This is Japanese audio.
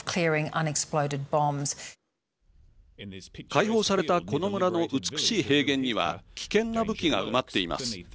解放されたこの村の美しい平原には危険な武器が埋まっています。